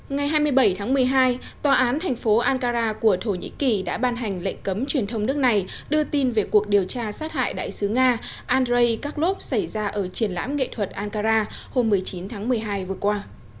ngày hai mươi bảy tháng một mươi hai tòa án thành phố ankara của thổ nhĩ kỳ đã ban hành lệnh cấm truyền thông nước này đưa tin về cuộc điều tra sát hại đại sứ nga andrei carlov xảy ra ở triển lãm nghệ thuật ankara hôm một mươi chín tháng một mươi hai vừa qua